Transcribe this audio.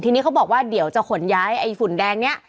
ทีนี้เขาบอกว่าเดี๋ยวจะขนย้ายไอ้ฝุ่นแดงนี้